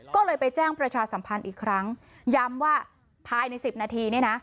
ก็เลยไปแจ้งประชาสัมพันธ์อีกครั้งย้ำว่าภายในสิบนาทีเนี่ยนะ